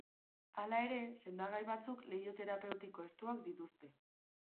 Hala ere, sendagai batzuk leiho terapeutiko estuak dituzte.